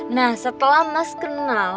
nah setelah mas kenal